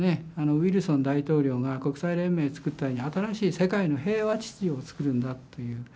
ウィルソン大統領が国際連盟作ったように新しい世界の平和秩序を作るんだという。